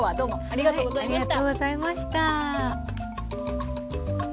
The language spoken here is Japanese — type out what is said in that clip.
ありがとうございます。